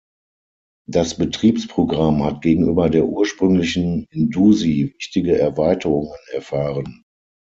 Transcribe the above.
Das Betriebsprogramm hat gegenüber der ursprünglichen Indusi wichtige Erweiterungen erfahren.